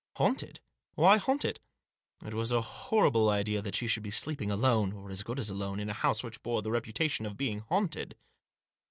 " Haunted ? Why haunted ?" It was a horrible idea that she should be sleeping alone, or as good as alone, in a house which bore the reputation of being haunted.